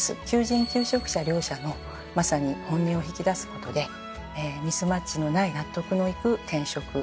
求人求職者両者のまさに本音を引き出すことでミスマッチのない納得のいく転職